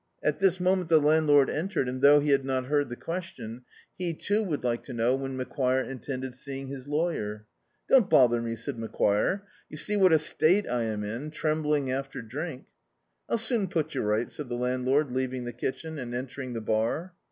At this moment the landlord en tered, and, thou^ he had not heard the question, he too, would like to know when Macquire intended seeing his lawyer. "Don't bother me," said Mac quire, "you see what a state I am in, trembling after drink?" "I'll soon put you ri^t," said the landlord, leaving the kitchen, and entering the bar.